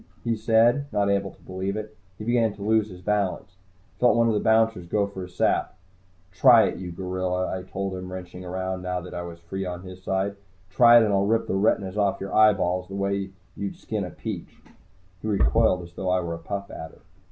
he said, not able to believe it. He began to lose his balance. I felt one of the bouncers go for his sap. "Try it, you gorilla," I told him, wrenching around, now that I was free on his side. "Try it and I'll rip the retinas off your eyeballs the way you'd skin a peach!" He recoiled as though I were a Puff Adder.